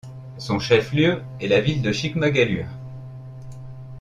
Son chef-lieu est la ville de Chikmagalur.